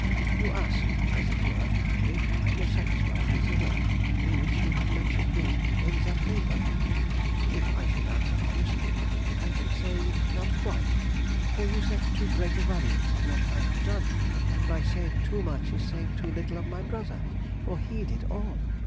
You ask, as it were, if I were satisfied with the way in which you have mentioned me in that paper? If I should answer honestly I should say not quite, for you set too great a value on what I have done, and by saying too much is saying too little of my brother, for he did all.